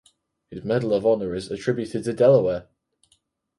His Medal of Honor is attributed to Delaware.